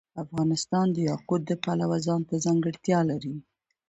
افغانستان د یاقوت د پلوه ځانته ځانګړتیا لري.